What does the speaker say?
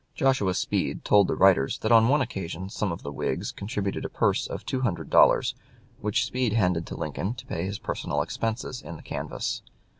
Joshua Speed told the writers that on one occasion some of the Whigs contributed a purse of two hundred dollars which Speed handed to Lincoln to pay his personal expenses in the canvass.